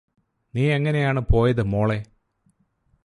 നീയെങ്ങനെയാണ് പോയത് മോളെ